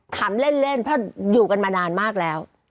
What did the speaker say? ถามเล่นเพราะอยู่กันมานานมากแล้ว